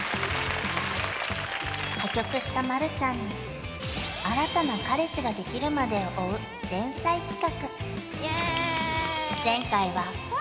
破局したまるちゃんに新たな彼氏ができるまでを追う連載企画